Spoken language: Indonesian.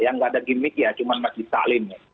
yang nggak ada gimmick ya cuma masih saling